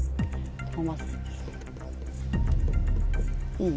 いい？